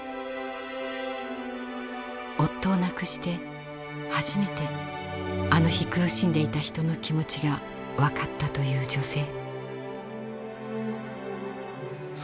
夫を亡くして初めてあの日苦しんでいた人の気持ちが分かったという女性。